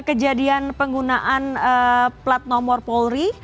kejadian penggunaan plat nomor polri